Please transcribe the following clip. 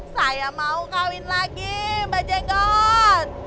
saya mau kawin lagi mbak jenggon